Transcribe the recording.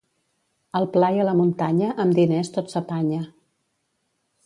Al pla i a la muntanya, amb diners tot s'apanya.